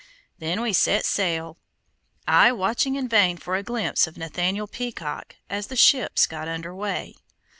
Then we set sail, I watching in vain for a glimpse of Nathaniel Peacock as the ships got under way.